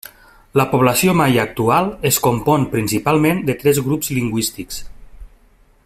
La població maia actual es compon principalment de tres grups lingüístics.